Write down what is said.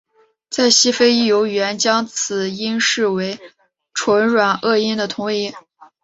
在西非亦有语言将此音视为唇软腭音的同位音。